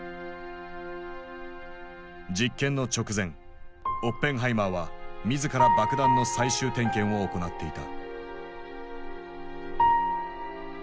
実験の直前オッペンハイマーは自ら爆弾の最終点検を行っていた。